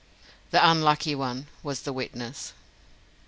The unlucky one was the witness.